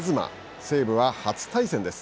西武は初対戦です。